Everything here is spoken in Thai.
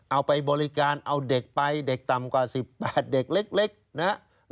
เอาไปบริการเอาเด็กไปเด็กต่ำกว่า๑๘เด็กเล็กนะครับ